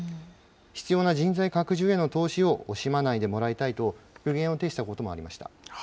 必要な人材拡充への投資を惜しまないでもらいたいと、苦言を呈したこともありました。